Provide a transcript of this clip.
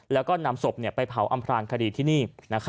แล้วก็นำศพไปเผาอำพลางคดีที่นี่